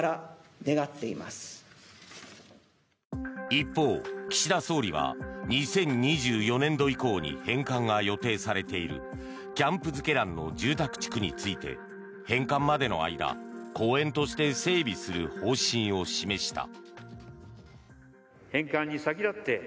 一方、岸田総理は２０２４年度以降に返還が予定されているキャンプ瑞慶覧の住宅地区について返還までの間公園として整備する方針を示した。